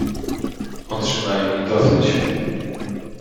"Otrzymają ich dosyć."